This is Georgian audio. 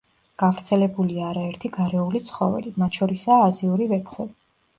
გავრცელებულია არაერთი გარეული ცხოველი, მათ შორისაა აზიური ვეფხვი.